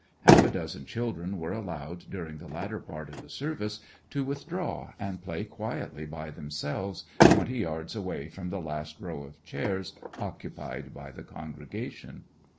Half a dozen children were allowed, during the latter part of the service, to withdraw, and play quietly by themselves, twenty yards away from the last row of chairs occupied by the congregation.